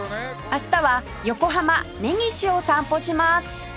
明日は横浜根岸を散歩します